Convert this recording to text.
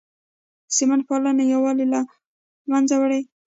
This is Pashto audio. سمت پالنه یووالی له منځه وړي